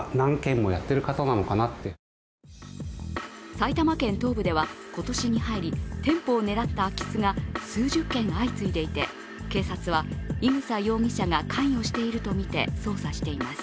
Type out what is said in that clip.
埼玉県東部では今年に入り店舗を狙った空き巣が数十件相次いでいて、警察は伊草容疑者が関与しているとみて捜査しています。